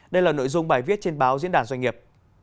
đây là nội dung bài viết trên báo diễn đàn doanh nghiệp